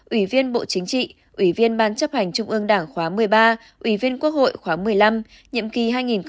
ủy viên bộ chính trị ủy viên ban chấp hành trung ương đảng khóa một mươi ba ủy viên quốc hội khóa một mươi năm nhiệm kỳ hai nghìn một mươi sáu hai nghìn hai mươi sáu